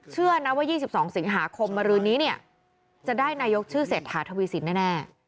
เชื่อนะว่า๒๒สิงหาคมมารืนนี้เนี่ยจะได้นายกชื่อเศรษฐาทวีสินแน่